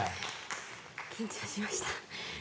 緊張しました。